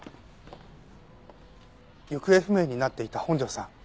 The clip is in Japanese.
行方不明になっていた本庄さん